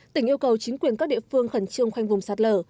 tỉnh yêu cầu chính quyền các địa phương khẩn trương khoanh vùng sạt lở